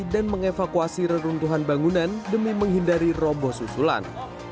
dan mengevakuasi reruntuhan bangunan demi menghindari roboh susulan